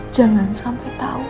jangan sampai tau